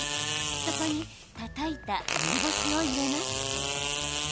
そこにたたいた梅干しを入れます。